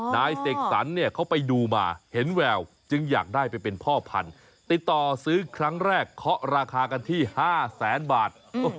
นายเสกสรรเนี่ยเขาไปดูมาเห็นแววจึงอยากได้ไปเป็นพ่อพันธุ์ติดต่อซื้อครั้งแรกเคาะราคากันที่๕แสนบาท